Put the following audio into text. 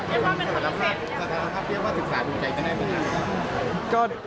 สัมภัยหรือว่าศึกษาผู้ใจกันได้มั้ยครับ